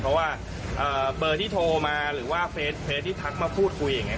เพราะว่าเบอร์ที่โทรมาหรือว่าเฟสที่ทักมาพูดคุยอย่างนี้